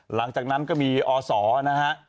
หลังจากนั้นก็มีอศนะฮะ